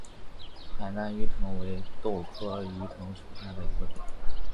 海南鱼藤为豆科鱼藤属下的一个种。